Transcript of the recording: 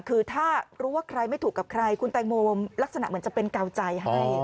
คือถ้ารู้ว่าใครไม่ถูกกับใครคุณแตงโมลักษณะเหมือนจะเป็นเกาใจให้